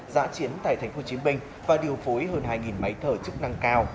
giã chiến tại tp hcm và điều phối hơn hai máy thở chức năng cao